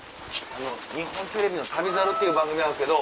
日本テレビの『旅猿』という番組なんですけど。